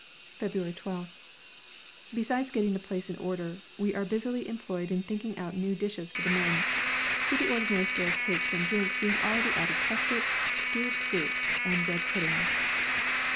February 12th. Besides getting the place in order, we are busily employed in thinking out new dishes for the men. To the ordinary store of cakes and drinks we have already added custard, stewed fruits, and bread puddings.